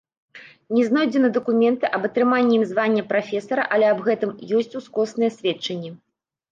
Не знойдзены дакументы аб атрыманні ім звання прафесара, але аб гэтым ёсць ускосныя сведчанні.